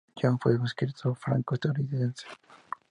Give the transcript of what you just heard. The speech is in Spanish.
John, fue un escritor franco-estadounidense.